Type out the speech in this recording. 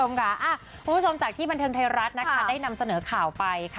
คุณผู้ชมจากที่บันเทิงไทยรัฐนะคะได้นำเสนอข่าวไป